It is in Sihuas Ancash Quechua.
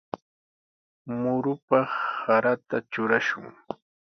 Murupaq sarata trurashun.